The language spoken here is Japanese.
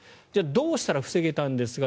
どうしたら防げたんですか。